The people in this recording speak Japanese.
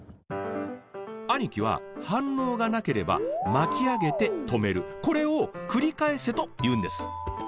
兄貴は反応がなければ巻き上げて止めるこれを繰り返せと言うんです。